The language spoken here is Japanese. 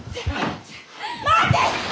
待て！